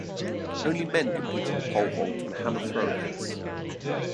Only men compete in the pole vault and hammer throw events.